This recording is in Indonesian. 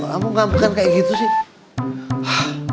kamu ngambek kan kayak gitu sih